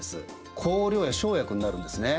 香料や生薬になるんですね。